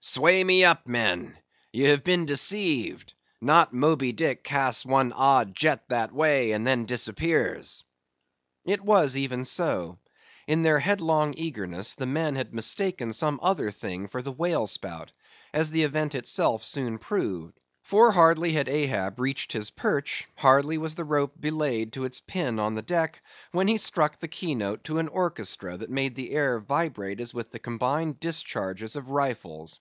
"Sway me up, men; ye have been deceived; not Moby Dick casts one odd jet that way, and then disappears." It was even so; in their headlong eagerness, the men had mistaken some other thing for the whale spout, as the event itself soon proved; for hardly had Ahab reached his perch; hardly was the rope belayed to its pin on deck, when he struck the key note to an orchestra, that made the air vibrate as with the combined discharges of rifles.